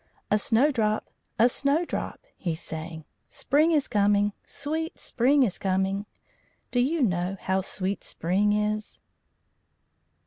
"A Snowdrop! A Snowdrop!" he sang. "Spring is coming, sweet spring is coming!" Do you know how sweet spring is?